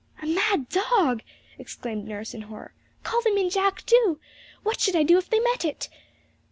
'A mad dog!' exclaimed nurse in horror; 'call them in, Jack, do! What should I do if they met it?'